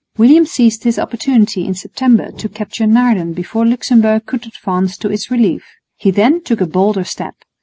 William seized his opportunity in September to capture Naarden before Luxemburg could advance to its relief. He then took a bolder step.